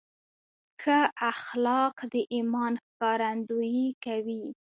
ښه اخلاق د ایمان ښکارندویي کوي.